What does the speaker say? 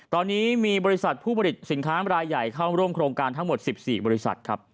ตอนนี้มีบริษัทผู้ผลิตสินค้ารายใหญ่เข้าร่วมโครงการทั้งหมด๑๔บริษัทครับ